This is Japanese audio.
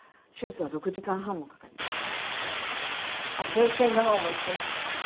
形成の方も一緒にするの？